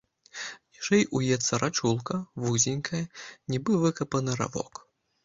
Ніжэй уецца рачулка, вузенькая, нібы выкапаны равок.